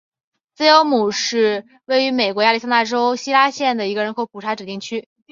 自由亩是位于美国亚利桑那州希拉县的一个人口普查指定地区。